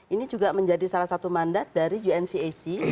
ini juga menjadi salah satu mandat dari uncac